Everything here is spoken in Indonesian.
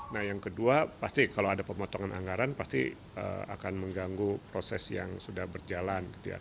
nah yang kedua pasti kalau ada pemotongan anggaran pasti akan mengganggu proses yang sudah berjalan gitu ya